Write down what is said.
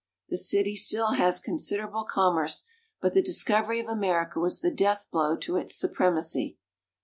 The city still has con siderable commerce, but the discovery of America was the death blow to its supremacy.